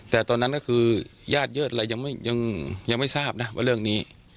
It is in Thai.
แต่ตอนนั้นก็คือญาติเยิดอะไรยังไม่ทราบนะว่าเรื่องนี้